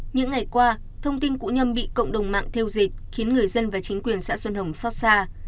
những ngày qua thông tin cũ nhâm bị cộng đồng mạng theo dịch khiến người dân và chính quyền xã xuân hồng xót xa